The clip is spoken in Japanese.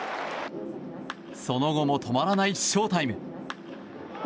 その後も止まらないショウタイム。